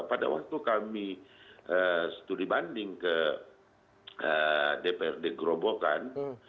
pada waktu kami studi banding ke dprd gerobokan